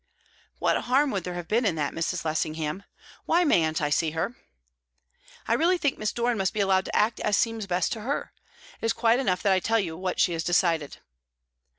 "What harm would there have been in that, Mrs. Lessingham? Why mayn't I see her?" "I really think Miss Doran must be allowed to act as seems best to her. It is quite enough that I tell you what she has decided."